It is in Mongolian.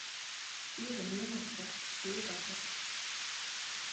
Би Румын улсад зээл олгуулж чадсан.